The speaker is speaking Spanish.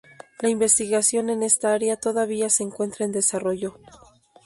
La investigación en esta área todavía se encuentra en desarrollo.